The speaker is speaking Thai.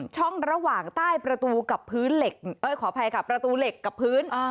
ช่องระหว่างใต้ประตูกับพื้นเหล็กขออภัยค่ะประตูเหล็กกับพื้น